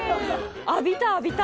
浴びた浴びた。